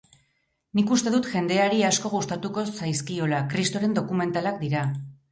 Nik uste dut jendeari asko gustatuko zaizkiola, kristoren dokumentalak dira.